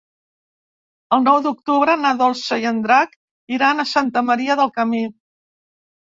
El nou d'octubre na Dolça i en Drac iran a Santa Maria del Camí.